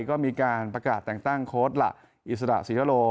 ก็มีการประกาศแต่งตั้งโค้ดละอิสระศรียโล